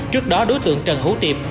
trước đó đối tượng trần hữu tiệp